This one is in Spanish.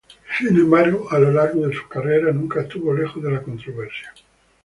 Sin embargo, a lo largo de su carrera nunca estuvo lejos de la controversia.